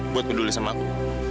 buat peduli sama aku